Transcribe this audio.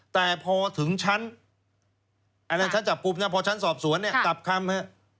แต่พอถึงชั้นอันนั้นชั้นจับกลุ่มนะพอชั้นสอบสวนเนี่ยกลับคำฮะ